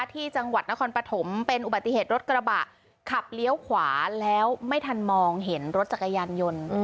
ที่จังหวัดนครปฐมเป็นอุบัติเหตุรถกระบะขับเลี้ยวขวาแล้วไม่ทันมองเห็นรถจักรยานยนต์